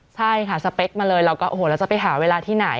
ใช่ค่ะสเปคมาเลยแล้วจะไปหาเวลาที่ไหน